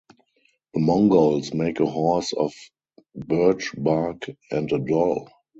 The Mongols make a horse of birch-bark and a doll.